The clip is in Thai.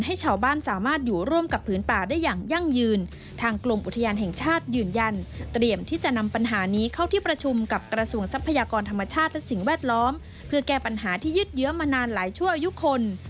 ให้ชาวบ้านสามารถอยู่ร่วมกับผืนป่าได้อย่างยั่งยืน